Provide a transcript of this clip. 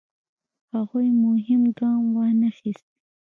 هغوی مهم ګام وانخیست.